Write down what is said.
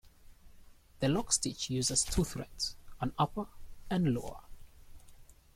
The lockstitch uses two threads, an upper and a lower.